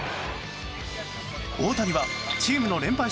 大谷はチームの連敗